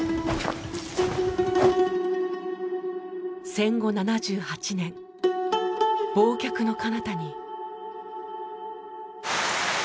戦後７８年忘却のかなたに。